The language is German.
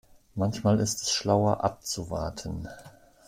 Manchmal ist es schlauer abzuwarten.